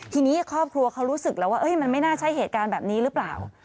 ทีนี้ครอบครัวเขารู้สึกแล้วว่ามันไม่น่าใช่เหตุการณ์แบบนี้หรือเปล่า